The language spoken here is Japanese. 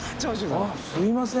すいません。